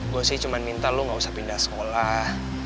gue sih cuma minta lu gak usah pindah sekolah